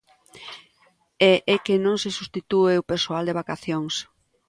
E é que non se substitúe o persoal de vacacións.